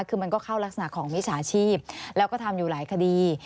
คือมันก็เข้ารักษณะของมิจฉาชีพแล้วก็ทำอยู่หลายคดี